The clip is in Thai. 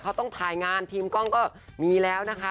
เขาต้องถ่ายงานทีมกล้องก็มีแล้วนะคะ